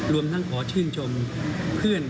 รวมทั้งขอชื่นชมเพื่อน